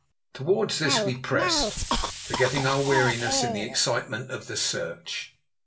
Towards this we pressed, forgetting our weariness in the excitement of the search.